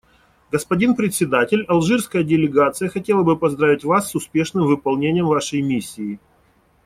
Господин Председатель, алжирская делегация хотела бы поздравить Вас с успешным выполнением Вашей миссии.